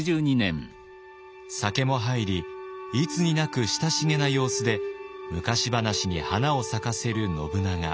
酒も入りいつになく親しげな様子で昔話に花を咲かせる信長。